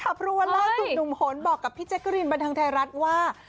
เพราะว่าล่าสุดหนุ่มโหนบอกกับพี่แจ๊กกะรีนบันเทิงไทยรัฐว่า